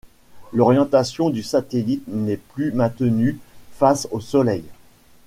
L'orientation du satellite n'est plus maintenue face au Soleil.